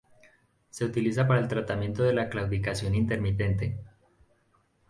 Se utiliza para el tratamiento de la claudicación intermitente.